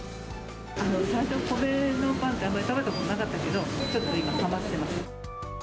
最初米のパンって、あまり食べたことなかったけど、ちょっと今、はまってます。